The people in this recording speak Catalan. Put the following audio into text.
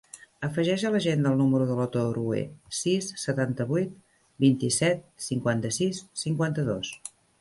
Afegeix a l'agenda el número de l'Oto Orue: sis, setanta-vuit, vint-i-set, cinquanta-sis, cinquanta-dos.